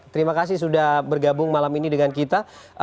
terima kasih sudah bergabung malam ini dengan kita